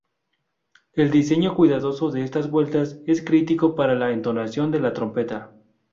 El diseño cuidadoso de estas vueltas es crítico para la entonación de la trompeta.